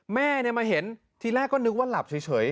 แม่มาเห็นทีแรกก็นึกว่าหลับเฉย